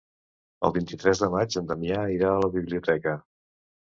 El vint-i-tres de maig en Damià irà a la biblioteca.